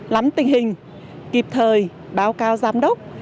lắm tình hình kịp thời báo cáo giám đốc